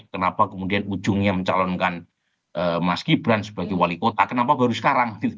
kenapa kemudian ujungnya mencalonkan mas gibran sebagai wali kota kenapa baru sekarang